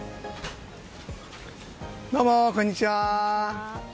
どうも、こんにちは！